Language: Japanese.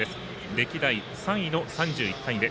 歴代３位の３１回目。